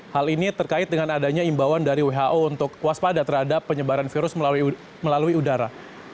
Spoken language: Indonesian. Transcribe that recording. hal ini terkait dengan adanya imbauan dari who untuk waspada terhadap penyebaran virus melalui udara